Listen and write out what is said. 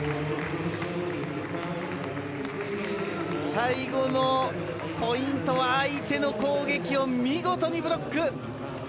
最後のポイントは相手の攻撃を見事にブロック。